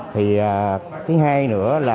thì thứ hai nữa là